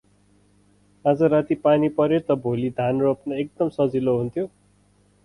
आज राती पानी परे त भोलि धान रोप्न एकदम सजिलो हुन्थ्यो ।